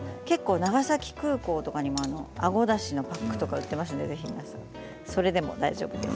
長崎空港にはあごだしのパックとかありますのでそれでも大丈夫です。